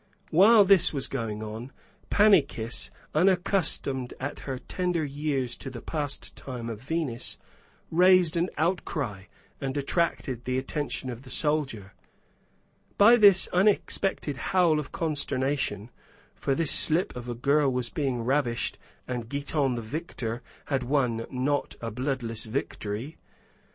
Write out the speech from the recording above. While this was going on, Pannychis, unaccustomed at her tender years to the pastime of Venus, raised an outcry and attracted the attention of the soldier, by this unexpected howl of consternation, for this slip of a girl was being ravished, and Giton the victor, had won a not bloodless victory.